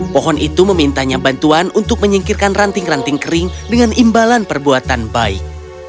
pohon itu memintanya bantuan untuk menyingkirkan ranting ranting kering dengan imbalan perbuatan baik